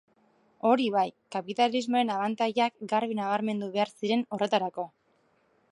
Hori bai, kapitalismoaren abantailak garbi nabarmendu behar ziren horretarako.